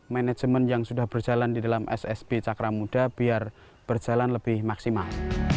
manajemen yang sudah berjalan di dalam ssb cakra muda biar berjalan lebih maksimal